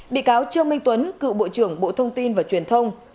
bị cáo trương minh tuấn cựu bộ trưởng bộ thông tin và truyền thông